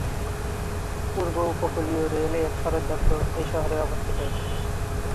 পূর্ব উপকূলীয় রেল এর সদর দপ্তর এই শহরে অবস্থিত।